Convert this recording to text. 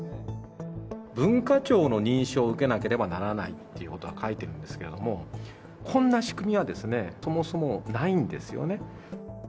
文化庁の認証を受けなければならないということが書いてるんですけれども、こんな仕組みは、そもそもないんですよね。